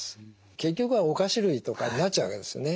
結局はお菓子類とかになっちゃうわけですよね。